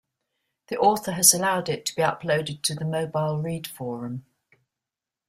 The author has allowed it to be uploaded to the MobileRead forum.